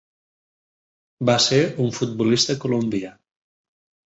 Va ser un futbolista colombià.